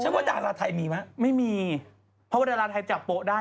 ว่าดาราไทยมีไหมไม่มีเพราะว่าดาราไทยจับโป๊ะได้